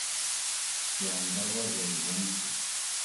گاۤن دروازہ ئ بُن تھو